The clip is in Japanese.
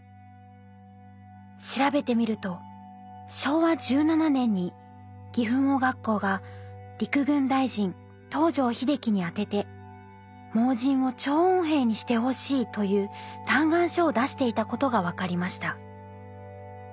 調べてみると昭和１７年に岐阜盲学校が陸軍大臣東條英機に宛てて「盲人を聴音兵にしてほしい」という嘆願書を出していたことが分かりました。